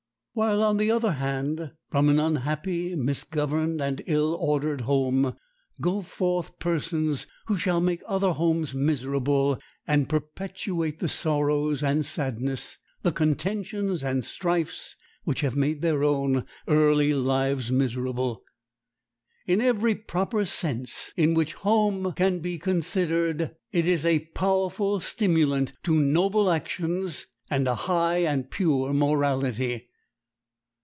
While, on the other hand, from an unhappy, misgoverned, and ill ordered home, go forth persons who shall make other homes miserable, and perpetuate the sorrows and sadness, the contentions and strifes, which have made their own early lives miserable. In every proper sense in which home can be considered, it is a powerful stimulant to noble actions and a high and pure morality.